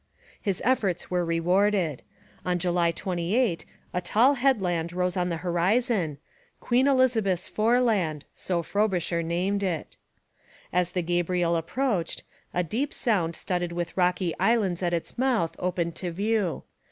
His efforts were rewarded. On July 28, a tall headland rose on the horizon, Queen Elizabeth's Foreland, so Frobisher named it. As the Gabriel approached, a deep sound studded with rocky islands at its mouth opened to view.